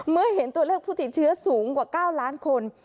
เมื่อเห็นตัวเลขผู้ติดเชื้อสูงกว่า๙ล้านคน